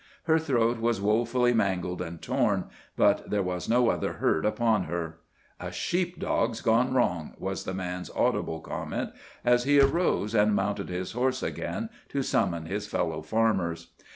Her throat was wofully mangled and torn, but there was no other hurt upon her. "A sheep dog's gone wrong!" was the man's audible comment, as he arose and mounted his horse again to summon his fellow farmers.